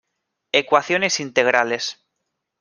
Ecuaciones integrales.